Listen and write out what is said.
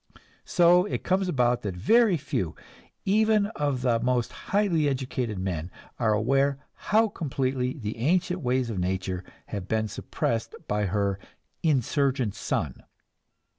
So it comes about that very few, even of the most highly educated men, are aware how completely the ancient ways of nature have been suppressed by her "insurgent son."